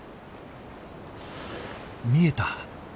見えた！